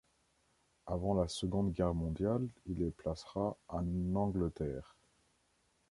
Avant la Seconde Guerre mondiale, il les placera en Angleterre.